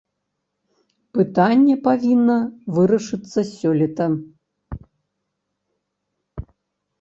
Пытанне павінна вырашыцца сёлета.